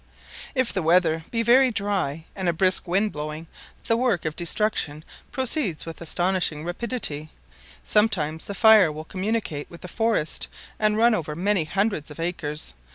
If the weather be very dry, and a brisk wind blowing, the work of destruction proceeds with astonishing rapidity; sometimes the fire will communicate with the forest and run over many hundreds of acres.